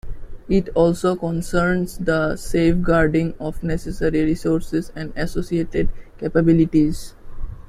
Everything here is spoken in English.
It also concerns the safeguarding of necessary resources and associated capabilities.